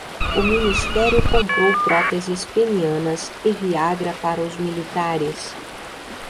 O ministério comprou próteses penianas e Viagra para os militares